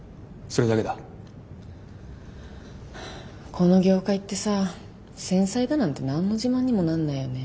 この業界ってさ繊細だなんて何の自慢にもなんないよね。